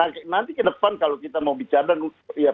nah nanti ke depan kalau kita mau bicara dan ya